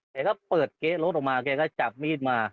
แกก็เปิดเก๊ะรถออกมาแกก็จับมีดมา